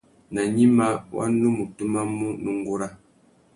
Nà gnïmá, wa nu mù tumamú nà ungura.